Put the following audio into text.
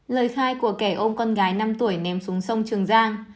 lời khai của kẻ ôm con gái năm tuổi ném xuống sông trường giang